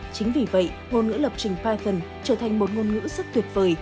chính vì vậy ngôn ngữ lập trình python trở thành một ngôn ngữ rất tuyệt vời